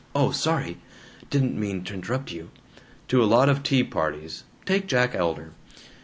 Oh. Sorry. Didn't mean t' interrupt you.") " to a lot of tea parties. Take Jack Elder.